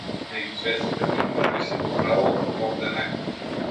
Меѓу ѕвездите ти можеби си во право, но овде не.